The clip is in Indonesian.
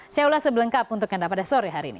saya ulas sebelengkap untuk anda pada sore hari ini